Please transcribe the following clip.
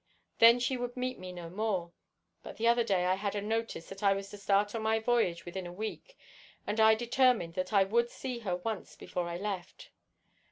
Then she would meet me no more. But the other day I had a notice that I was to start on my voyage within a week, and I determined that I would see her once before I left.